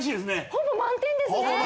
ほぼ満点です。